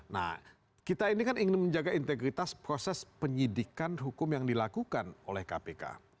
nah kita ini kan ingin menjaga integritas proses penyidikan hukum yang dilakukan oleh kpk